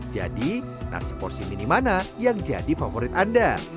jadi nasi porsi mini mana yang jadi favorit anda